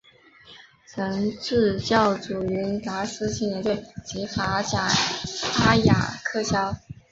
曾执教祖云达斯青年队及法甲阿雅克肖。